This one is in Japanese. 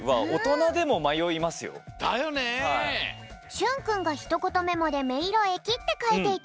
しゅんくんがひとことメモで「めいろえき」ってかいていた